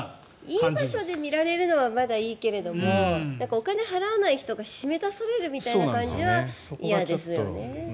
いい場所で見られるのはまだいいけれどもお金を払わない人が締め出されるみたいなのは嫌ですよね。